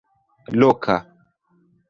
loka